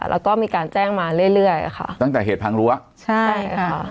แล้วก็มีการแจ้งมาเรื่อยเรื่อยค่ะตั้งแต่เหตุพังรั้วใช่ค่ะ